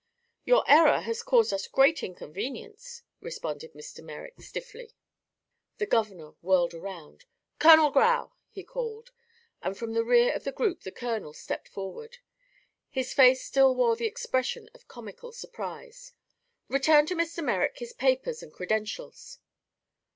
"Your error has caused us great inconvenience," responded Mr. Merrick stiffly. The governor whirled around. "Colonel Grau!" he called, and from the rear of the group the colonel stepped forward. His face still wore the expression of comical surprise. "Return to Mr. Merrick his papers and credentials."